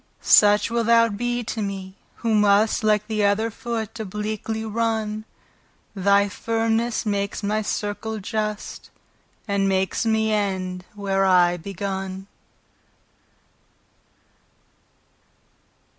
Such wilt thou be to mee, who must Like th' other foot, obliquely runne; Thy firmnes drawes my circle just, And makes me end, where I begunne.